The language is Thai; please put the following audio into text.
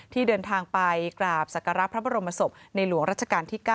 เดินทางไปกราบศักระพระบรมศพในหลวงรัชกาลที่๙